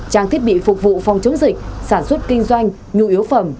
trang thiết bị phục vụ phòng chống dịch sản xuất kinh doanh nhu yếu phẩm